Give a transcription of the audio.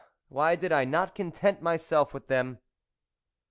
why did I not content myself with them